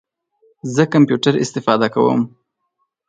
زه کمپیوټر استفاده کوم